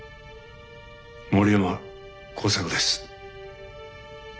森山耕作です。